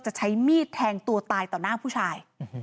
จะใช้มีดแทงตัวตายต่อหน้าผู้ชาย